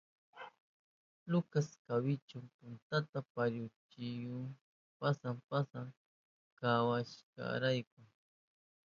Lucas kawitun puntata parihuyachihun pasa pasa kahushkanrayku.